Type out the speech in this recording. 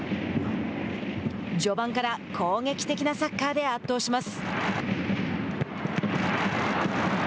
序盤から攻撃的なサッカーで圧倒します。